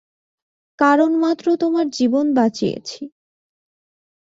কারণ মাত্র তোমার জীবন বাঁচিয়েছি।